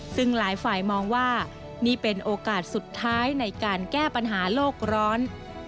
ซึ่งหลายฝ่ายมองว่านี่เป็นโอกาสสุดท้ายในการแก้ปัญหาโลกร้อน